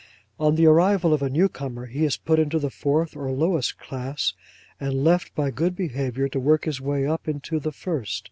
On the arrival of a new comer, he is put into the fourth or lowest class, and left, by good behaviour, to work his way up into the first.